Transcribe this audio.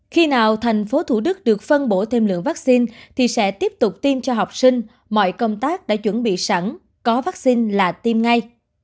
khi nào thành phố thủ đức được phân bổ thêm lượng vaccine thì sẽ tiếp tục tiêm cho học sinh mọi công tác đã chuẩn bị sẵn có vaccine là tiêm ngay